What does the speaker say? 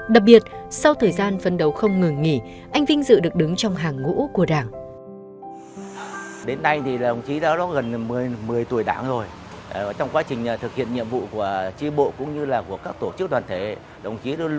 đặc biệt là anh lương văn dũng đã giúp anh lấy lại niềm tin của mọi người